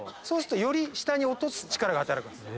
より下に落とす力が働くんです。